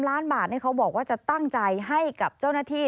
ล้านบาทเขาบอกว่าจะตั้งใจให้กับเจ้าหน้าที่